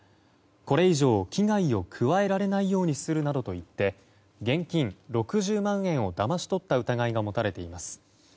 これ以上、危害を加えられないようにするなどと言って現金６０万円をだまし取った疑いが持たれています。